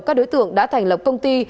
các đối tượng đã thành lập công ty